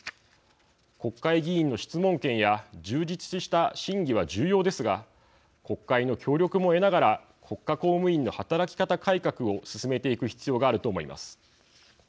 国会議員の質問権や充実した審議は重要ですが国会の協力も得ながら国家公務員の働き方改革を進めていく必要があると思います。